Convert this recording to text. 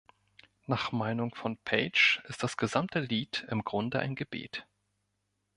Nach Meinung von Page ist das gesamte Lied im Grunde ein Gebet.